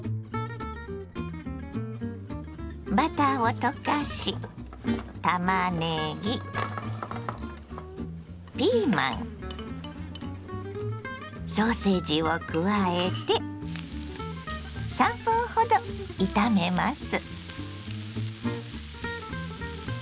バターを溶かしたまねぎピーマンソーセージを加えて３分ほど炒めます。